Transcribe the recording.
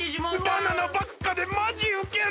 バナナばっかでまじウケる！